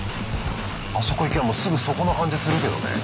あそこ行けばもうすぐそこな感じするけどね。